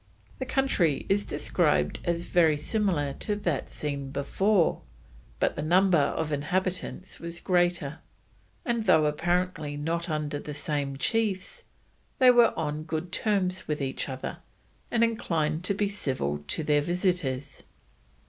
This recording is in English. The country is described as very similar to that seen before, but the number of inhabitants was greater, and though apparently not under the same chiefs, they were on good terms with each other, and inclined to be civil to their visitors.